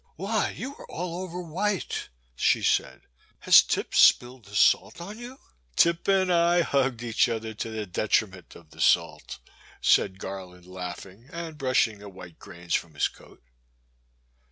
Why, you are all over white !" she said; has Tip spilled the salt on you ?"Tip and I hugged each other to the detriment of the salt," said Garland laughing and brushing the white grains from his coat.